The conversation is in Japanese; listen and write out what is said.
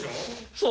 そう。